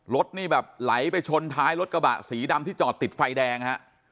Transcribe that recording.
รถไหลไปชนท้ายรถกระบะสีดำที่จอดติดไฟแดง